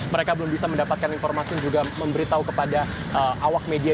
mereka belum bisa mendapatkan informasi dan juga memberitahu kepada awak media